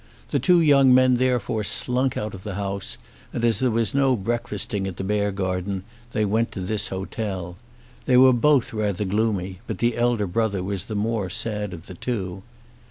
The two young men therefore slunk out of the house, and as there was no breakfasting at the Beargarden they went to this hotel. They were both rather gloomy, but the elder brother was the more sad of the two.